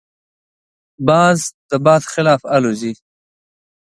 باز د باد خلاف الوزي